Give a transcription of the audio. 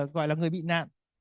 gọi là người bị nạn